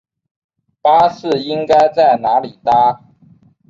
巴士应该在哪里搭？